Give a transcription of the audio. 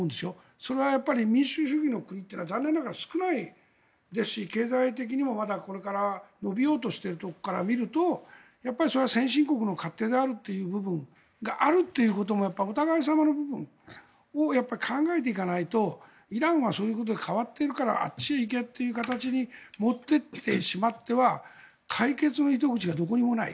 それは民主主義の国というのは残念ながら少ないですし経済的にもまだこれから伸びようとしているところから見るとそれは先進国の勝手であるという部分があるということもお互い様の部分をやっぱり考えていかないとイランはそういうことで変わっているからあっちへ行けという形に持っていってしまっては解決の糸口がどこにもない。